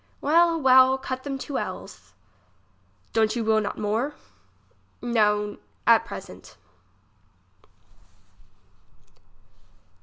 Well, well, cut them two ells. Don't you will not more ? No, at present.